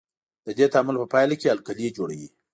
د دې تعامل په پایله کې القلي جوړوي.